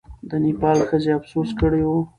د نېپال ښځې افسوس کړی وو.